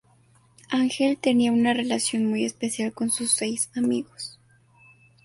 Ángel tenía una relación muy especial con sus seis amigos.